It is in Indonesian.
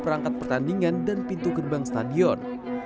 perangkat pertandingan dan pintu gerbang stadion